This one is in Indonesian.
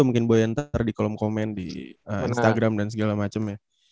mungkin boya ntar di kolom komen di instagram dan segala macam ya